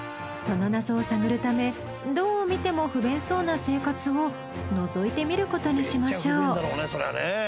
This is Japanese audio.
その謎を探るためどう見ても不便そうな生活をのぞいてみることにしましょう。